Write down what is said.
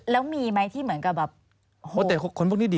แล้วมีไหมที่เหมือนกับโหด